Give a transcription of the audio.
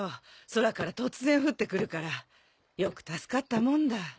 空から突然降ってくるからよく助かったもんだ